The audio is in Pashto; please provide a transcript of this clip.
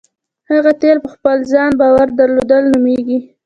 هغه تیل په خپل ځان باور درلودل نومېږي.